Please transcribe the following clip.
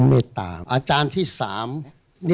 ไม่ตามอาจารย์ที่๓